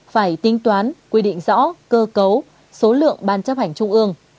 phải tính toán quy định rõ cơ cấu số lượng ban chấp hành trung ương